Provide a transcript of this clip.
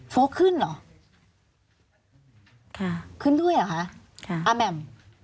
โฟมันขึ้นเหรอขึ้นด้วยอ่ะคะอะแหม่ม